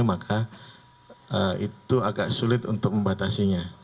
maka itu agak sulit untuk membatasinya